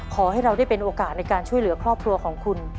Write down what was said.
ขอให้เราได้เป็นโอกาสในการช่วยเหลือครอบครัวของคุณ